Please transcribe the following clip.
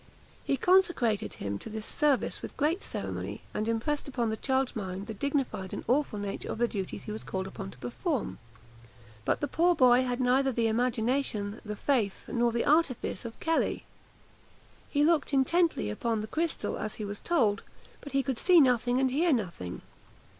He consecrated him to this service with great ceremony, and impressed upon the child's mind the dignified and awful nature of the duties he was called upon to perform; but the poor boy had neither the imagination, the faith, nor the artifice of Kelly. He looked intently upon the crystal as he was told; but could see nothing and hear nothing.